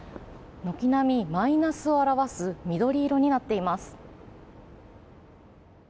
軒並み、マイナスを表す緑色になっています。